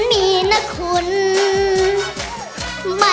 โมโฮโมโฮโมโฮ